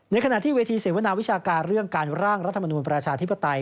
ขณะที่เวทีเสวนาวิชาการเรื่องการร่างรัฐมนูลประชาธิปไตย